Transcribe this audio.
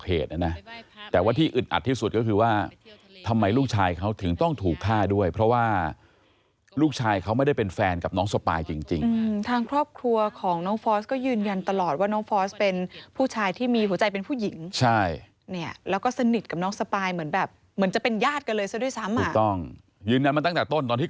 นะนะแต่ว่าที่อึดอัดที่สุดก็คือว่าทำไมลูกชายเขาถึงต้องถูกฆ่าด้วยเพราะว่าลูกชายเขาไม่ได้เป็นแฟนกับน้องสปายจริงจริงทางครอบครัวของน้องฟอสก็ยืนยันตลอดว่าน้องฟอสเป็นผู้ชายที่มีหัวใจเป็นผู้หญิงใช่เนี่ยแล้วก็สนิทกับน้องสปายเหมือนแบบเหมือนจะเป็นญาติกันเลยซะด้วยซ้ำอ่ะถูกต้องยืนยันมาตั้งแต่ต้นตอนที่